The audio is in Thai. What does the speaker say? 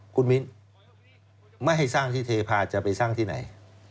คุณมิ้นไม่ให้สร้างที่เทพาจะไปสร้างที่ไหน